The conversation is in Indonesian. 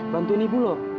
bantuin ibu loh